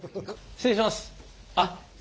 失礼いたします。